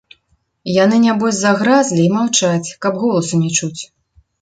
Яны нябось загразлі і маўчаць, каб голасу не чуць.